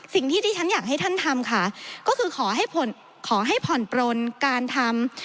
สิ่งที่ที่ฉันอยากให้ท่านทำค่ะก็คือขอให้ขอให้ผ่อนปลนการทำ